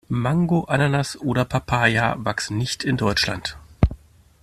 Mango, Ananas oder Papaya wachsen nicht in Deutschland.